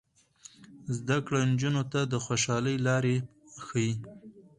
زده کړه نجونو ته د خوشحالۍ لارې ښيي.